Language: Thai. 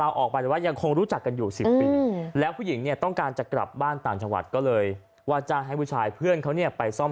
อ่ารู้จักกันประมาณสัก๑๐ปี